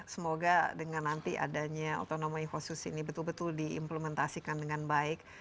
semoga dengan nanti adanya otonomi khusus ini betul betul diimplementasikan dengan baik